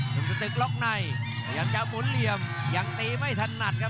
หนุ่มสตึกล็อกในพยายามจะหมุนเหลี่ยมยังตีไม่ถนัดครับ